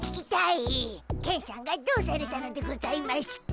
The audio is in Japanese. ケンしゃんがどうされたのでございましゅか？